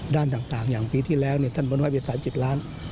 ด้านต่างอย่างปีที่แล้วท่านบริษัทวิจัยจิตร้าน